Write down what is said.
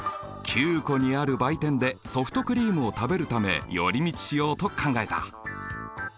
湖にある売店でソフトクリームを食べるため寄り道しようと考えた。